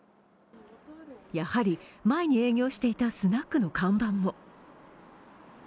やはり、前に営業していたスナックの看板も。